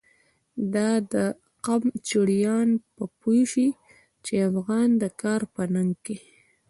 دا د قم چړیان به پوه شی، چی افغان د کار په ننگ کی